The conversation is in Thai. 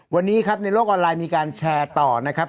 วันนี้ครับในโลกออนไลน์มีการแชร์ต่อนะครับ